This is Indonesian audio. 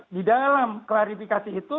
di dalam klarifikasi itu